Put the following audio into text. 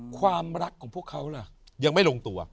ความรักของพวกเขาล่ะ